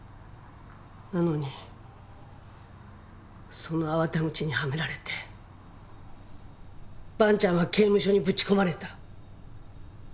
なのにその粟田口にハメられて萬ちゃんは刑務所にぶち込まれた。